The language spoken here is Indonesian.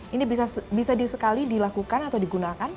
ini bisa di sekali dilakukan atau digunakan